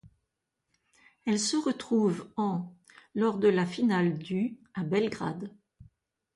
Elle se retrouve en lors de la finale du à Belgrade.